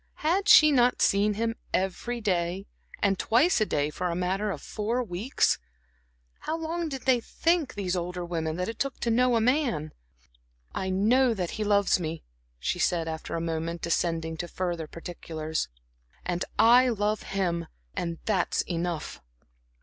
Had she not seen him, every day and twice a day, for a matter of four weeks. How long did they think, these older women, that it took to know a man? "I know that he loves me," she said, after a moment, descending to further particulars "and I love him, and that's enough."